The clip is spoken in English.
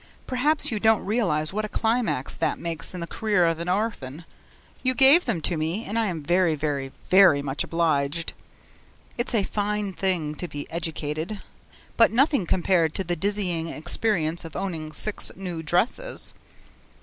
Perhaps you don't realize what a climax that marks in the career of an orphan? You gave them to me, and I am very, very, VERY much obliged. It's a fine thing to be educated but nothing compared to the dizzying experience of owning six new dresses.